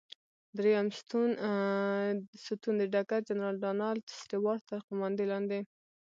دریم ستون د ډګر جنرال ډانلډ سټیوارټ تر قوماندې لاندې.